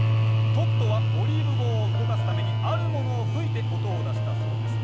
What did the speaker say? トットはオリーブ号を動かすためにあるものを吹いて音を出したそうです。